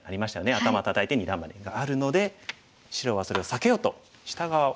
「アタマたたいて二段バネ」があるので白はそれを避けようと下側を補強しました。